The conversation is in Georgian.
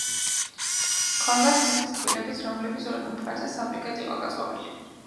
ჰქონდათ სასის კბილებიც, რომლებიც ორივე მხარეზე სამ რიგად იყო გაწყობილი.